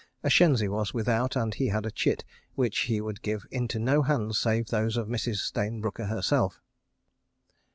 ... A shenzi was without, and he had a chit which he would give into no hands save those of Mrs. Stayne Brooker herself.